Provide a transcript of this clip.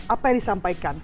apa yang disampaikan